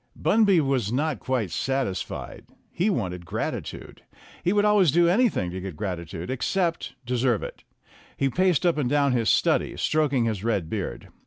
Bunby was not quite satisfied. He wanted grati tude. He would always do anything to get gratitude, except deserve it. He paced up and down his study, stroking his red beard.